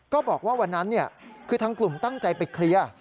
บอกว่าวันนั้นคือทางกลุ่มตั้งใจไปเคลียร์